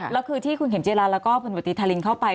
แล้วคือที่คุณเข็มเจราแล้วก็บริฐาฤติบัติทารินเข้าไป